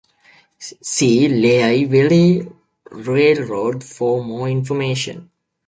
See Lehigh Valley Railroad for more information.